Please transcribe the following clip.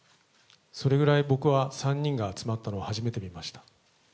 それぐらい僕は３人が集まったのは初めて見ました。